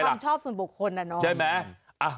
เป็นความชอบส่วนบุคคลน่ะเนาะ